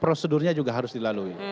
prosedurnya juga harus dilalui